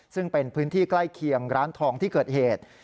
ซึ่งเป็นพื้นที่ใกล้เคียงร้านทองที่เกิดเหตุ